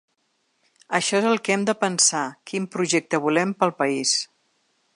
Això és el que hem de pensar: quin projecte volem pel país.